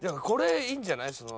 これいいんじゃない？